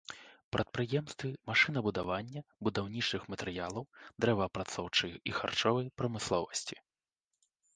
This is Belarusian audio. Прадпрыемствы машынабудавання, будаўнічых матэрыялаў, дрэваапрацоўчай і харчовай прамысловасці.